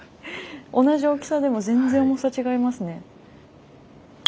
同じ大きさでも全然重さ違いますね。